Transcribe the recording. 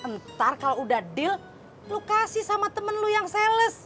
ntar kalau udah deal lo kasih sama temen lu yang sales